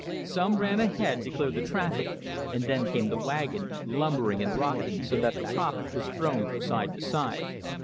Some ran ahead, to clear the traffic; and then came the wagon, lumbering and rocking, so that the prophet was thrown from side to side.